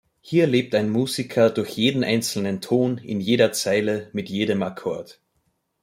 Hier lebt ein Musiker durch jeden einzelnen Ton, in jeder Zeile, mit jedem Akkord.